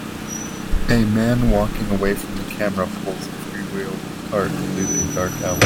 A man walking away from the camera pulls a threewheeled cart through a dark alley.